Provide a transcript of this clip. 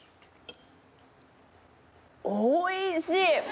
おいしい！